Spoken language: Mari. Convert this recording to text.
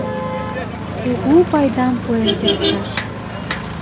Кугу пайдам пуэн кертшаш...